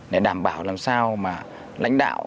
để đảm bảo làm sao mà lãnh đạo lãnh đạo lãnh đạo lãnh đạo lãnh đạo